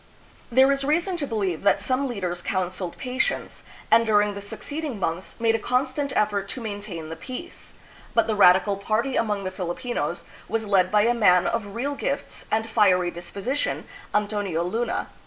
There is reason to believe that some leaders coun AMERICA AND THE PHILIPPINES. 297 seled patience, and during the succeeding months made a constant effort to maintain the peace, but the radical party among the Filipinos was led by a man of real gifts and fiery disposition, Antonio Luna.